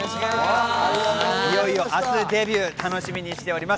いよいよ明日デビュー楽しみにしています。